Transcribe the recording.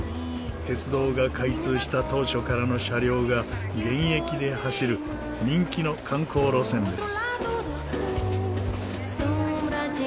鉄道が開通した当初からの車両が現役で走る人気の観光路線です。